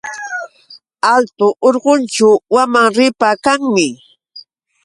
Altu urqućhu wamanripa kanmi.